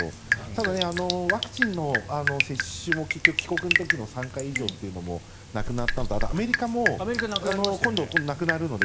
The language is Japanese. ただ、ワクチンの接種も結局、帰国の時の３回以上もなくなったのとあとアメリカも今度、なくなるので。